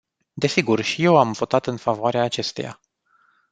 Desigur, și eu am votat în favoarea acesteia.